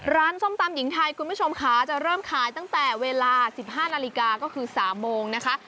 ส้มตำหญิงไทยคุณผู้ชมค่ะจะเริ่มขายตั้งแต่เวลา๑๕นาฬิกาก็คือ๓โมงนะคะ